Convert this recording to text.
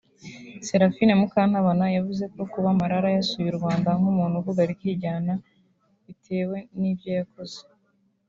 Seraphine Mukatambana yavuze ko kuba Malala yasuye u Rwanda nk’umuntu uvuga rikijyana bitewe n’ibyo yakoze